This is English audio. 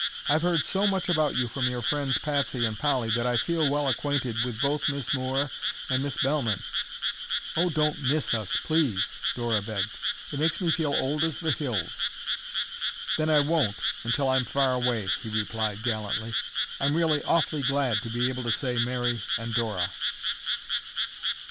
"I've heard so much about you from your friends Patsy and Polly that I feel well acquainted with both Miss Moore and Miss Bellman." "Oh, don't 'Miss' us, please!" Dora begged. "It makes me feel old as the hills." "Then I won't until I'm far away," he replied gallantly. "I'm really awfully glad to be able to say Mary and Dora."